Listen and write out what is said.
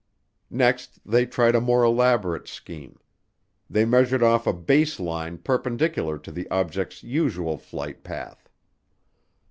Next they tried a more elaborate scheme. They measured off a base line perpendicular to the objects' usual flight path.